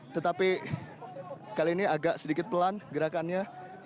tetapi kali ini agak sedikit pelan gerakannya